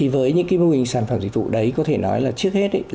với những mô hình sản phẩm dịch vụ đấy có thể nói là trước hết